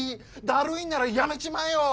だるいんならやめちまえよ！